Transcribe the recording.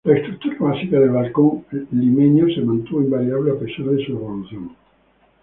La estructura básica del balcón limeño se mantuvo invariable a pesar de su evolución.